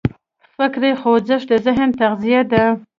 فکري خوځښت د ذهن تغذیه ده.